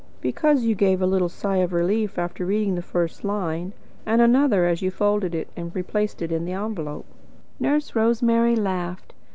"Because you gave a little sigh of relief after reading the first line, and another, as you folded it and replaced it in the envelope." Nurse Rosemary laughed.